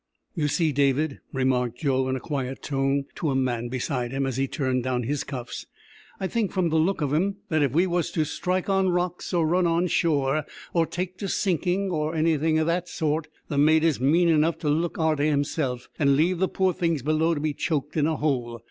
"You see, David," remarked Joe, in a quiet tone, to a man beside him, as he turned down his cuffs, "I think, from the look of him, that if we was to strike on rocks, or run on shore, or take to sinking, or anything o' that sort, the mate is mean enough to look arter hisself and leave the poor things below to be choked in a hole.